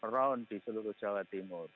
round di seluruh jawa timur